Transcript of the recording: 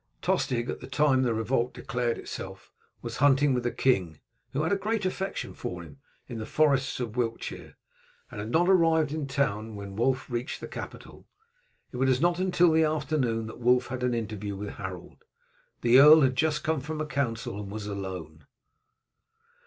Tostig at the time the revolt declared itself was hunting with the king who had a great affection for him in the forests of Wiltshire, and had not arrived in town when Wulf reached the capital. It was not until the afternoon that Wulf had an interview with Harold. The earl had just come from a council and was alone.